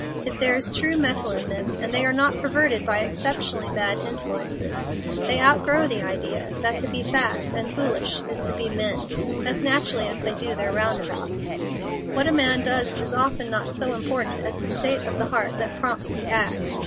If there is true mettle in them, and they are not perverted by exceptionally bad influences, they outgrow the idea that to be fast and foolish is to be men as naturally as they do their roundabouts. What a man does is often not so important as the state of the heart that prompts the act.